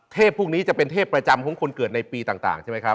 พวกนี้จะเป็นเทพประจำของคนเกิดในปีต่างใช่ไหมครับ